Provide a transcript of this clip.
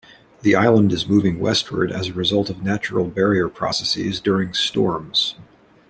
The island is moving westward as a result of natural barrier processes during storms.